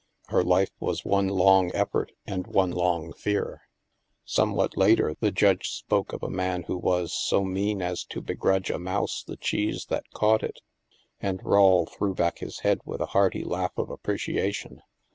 Her life was one long effort and one long fear. STILL WATERS 43 Somewhat later, the Judge spoke of a man who was " so mean as to begrudge a mouse the cheese that caught it/' and Rawle threw back his head with a hearty laugh of appreciation.